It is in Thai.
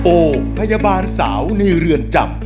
โอพยาบาลสาวในเรือนจำ